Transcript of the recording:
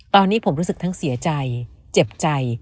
ตอนนี้ผมรู้สึกทั้งเสียใจเจ็บใจ